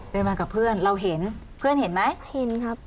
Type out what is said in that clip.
เดินมากับเพื่อนเราเห็นเพื่อนเห็นไหมเห็นครับ